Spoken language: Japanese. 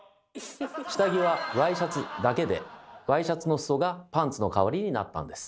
下着はワイシャツだけでワイシャツの裾がパンツの代わりになったんです。